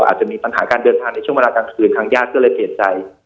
อาจจะมีปัญหาการเดินทางในช่วงเวลากลางคืนทางญาติก็เลยเปลี่ยนใจ